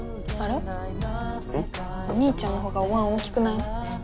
お兄ちゃんのほうがおわん大きくない？